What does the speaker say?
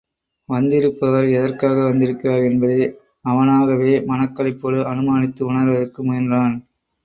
வந்திருப்பவர் எதற்காக வந்திருக்கிறார்? என்பதை அவனாகவே மனக் களிப்போடு அனுமானித்து உணர்வதற்கு முயன்றான்.